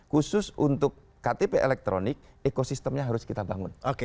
khusus untuk ktp elektronik ekosistemnya harus kita bangun